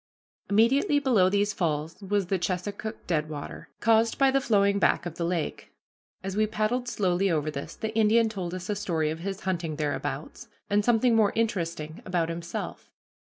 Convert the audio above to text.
Immediately below these falls was the Chesuncook Deadwater, caused by the flowing back of the lake. As we paddled slowly over this, the Indian told us a story of his hunting thereabouts, and something more interesting about himself.